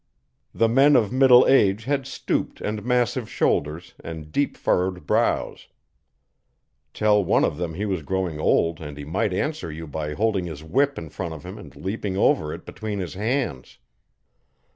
The men of middle age had stooped and massive shoulders, and deep furrowed brows: Tell one of them he was growing old and he might answer you by holding his whip in front of him and leaping over it between his hands.